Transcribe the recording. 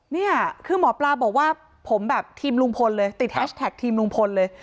นี่คือหมอปลาบอกว่าผมแบบทีมลุงพลเลยติดแฮชแท็กทีมลุงพลเลย